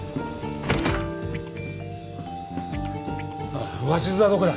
おい鷲津はどこだ？